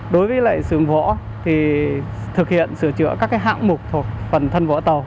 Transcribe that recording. đối với sưởng vỏ thì thực hiện sửa chữa các hãng mục thuộc phần thân vỏ tàu